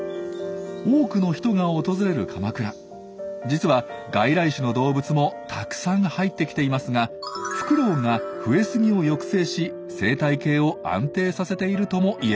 実は外来種の動物もたくさん入ってきていますがフクロウが増えすぎを抑制し生態系を安定させているとも言えるんですよ。